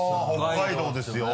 北海道ですよね。